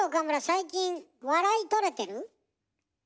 最近笑いとれてる？